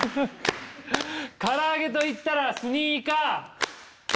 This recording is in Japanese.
からあげと言ったらスニーカー。